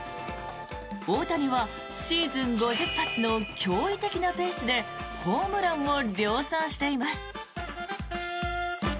大谷はシーズン５０発の驚異的なペースでホームランを量産しています。